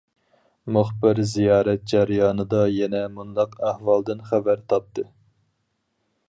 مۇخبىر زىيارەت جەريانىدا يەنە مۇنداق ئەھۋالدىن خەۋەر تاپتى.